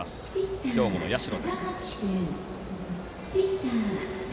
兵庫の社です。